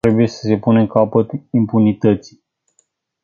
Trebuie să se pună capăt impunității.